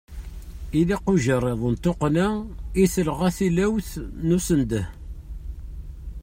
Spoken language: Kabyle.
Ilaq ujeṛṛiḍ n tuqqna i telɣa tilawt n usendeh.